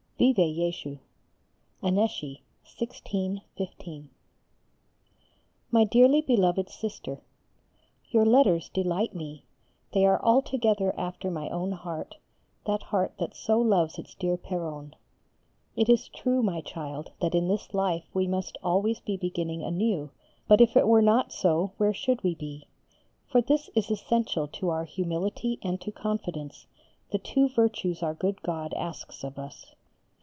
_ Vive [+] Jésus! ANNECY, 1615. MY DEARLY BELOVED SISTER, Your letters delight me, they are altogether after my own heart, that heart that so loves its dear Péronne. It is true, my child, that in this life we must always be beginning anew, but if it were not so where should we be? For this is essential to our humility and to confidence, the two virtues our good God asks of us.